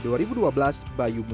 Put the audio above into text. bayu mulai memperkenalkan